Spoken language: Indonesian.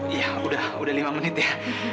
ya udah udah lima menit ya